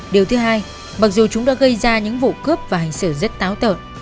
điều thứ hai mặc dù chúng đã gây ra những vụ cướp và hành xử rất táo tợn